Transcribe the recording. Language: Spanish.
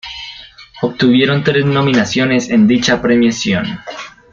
Obtuvieron tres nominaciones en dicha premiación.